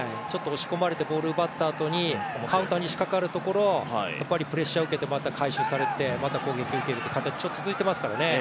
押し込まれてボールを取ったところにカウンターにさしかかるところプレッシャーを受けてまた回収されてまた攻撃を受けるという形が続いてますからね。